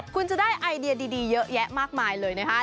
คุณจะได้ไอเดียดีเยอะแยะมากมายเลยนะคะ